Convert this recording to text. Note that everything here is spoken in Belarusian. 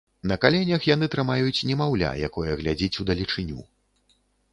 На каленях яны трымаюць немаўля, якое глядзіць удалечыню.